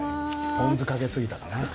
ポン酢をかけすぎたかな？